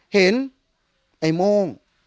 เห็นไอ้โม่ง